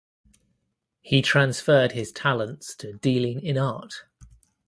He transferred his talents to dealing in art.